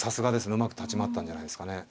うまく立ち回ったんじゃないですかね。